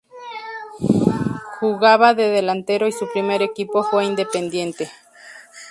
Jugaba de delantero y su primer equipo fue Independiente.